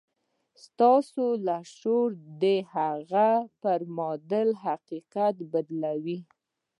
ستاسې لاشعور د هغه پر معادل حقيقت بدلوي.